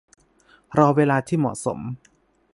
รอเวลาที่เหมาะสม